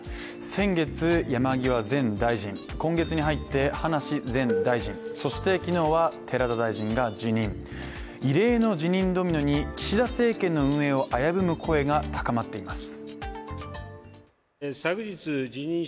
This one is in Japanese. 先月、山際前大臣、今月に入って葉梨前大臣、そして昨日は、寺田大臣が辞任異例の辞任ドミノに岸田政権の運営を危ぶむ声が高まっています。